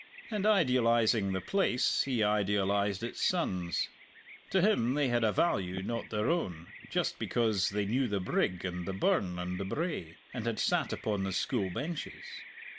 And idealizing the place he idealized its sons. To him they had a value not their own, just because they knew the brig and the burn and the brae, and had sat upon the school benches.